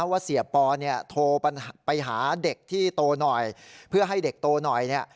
ว่าเสียปอเนี่ยโทรไปหาเด็กที่โตหน่อยเพื่อให้เด็กโตหน่อยเนี่ย